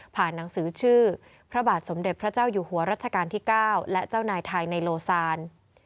หนังสือชื่อพระบาทสมเด็จพระเจ้าอยู่หัวรัชกาลที่๙และเจ้านายไทยในโลซาน